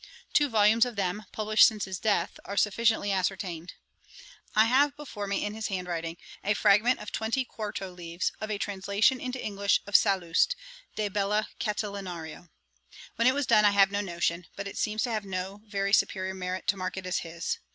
Two volumes of them, published since his death, are sufficiently ascertained; see vol. iii. p. 181. I have before me, in his hand writing, a fragment of twenty quarto leaves, of a translation into English of Sallust, De Bella Catilinario. When it was done I have no notion; but it seems to have no very superior merit to mark it as his.